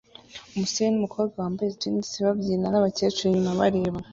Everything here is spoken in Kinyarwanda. Umusore numukobwa wambaye jeans babyina nabakecuru inyuma bareba